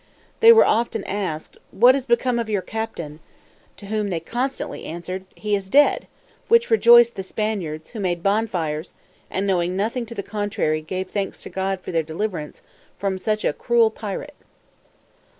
These were often asked, "What is become of your captain?" To whom they constantly answered, "He is dead:" which rejoiced the Spaniards, who made bonfires, and, knowing nothing to the contrary, gave thanks to God for their deliverance from such a cruel pirate.